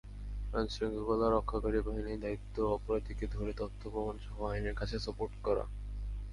আইনশৃঙ্খলা রক্ষাকারী বাহিনীর দায়িত্ব অপরাধীকে ধরে তথ্য–প্রমাণসহ আইনের কাছে সোপর্দ করা।